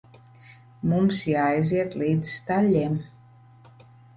Mums jāaiziet līdz staļļiem.